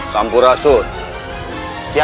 pemberontakan ini harus aku hentikan